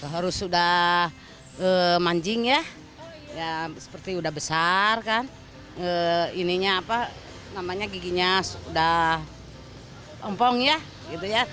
harus sudah manjing ya seperti sudah besar kan giginya sudah empong ya gitu ya